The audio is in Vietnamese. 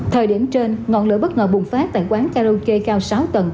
thời điểm trên ngọn lửa bất ngờ bùng phát tại quán karaoke cao sáu tầng